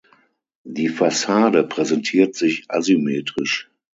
Die Fassade präsentiert sich asymmetrisch.